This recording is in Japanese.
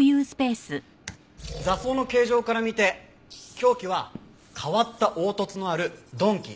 挫創の形状から見て凶器は変わった凹凸のある鈍器。